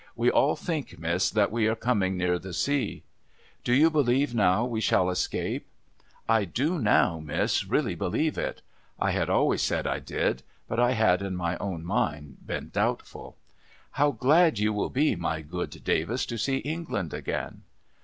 • We all think, Miss, that we are coming near the sea.' • Do you believe now, we shall escape ?'' I do now. Miss, really believe it.' I had always said I did ; but, I had in my own mind been doubtful. ' How glad you will be, my good Davis, to see England again